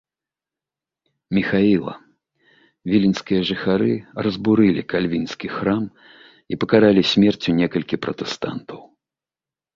Міхаіла, віленскія жыхары разбурылі кальвінскі храм і пакаралі смерцю некалькі пратэстантаў.